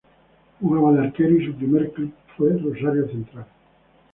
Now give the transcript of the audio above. Jugaba de arquero y su primer club fue Rosario Central.